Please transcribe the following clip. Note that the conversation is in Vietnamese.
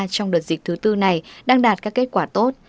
trong đợt dịch thứ tư này đang đạt các kết quả tốt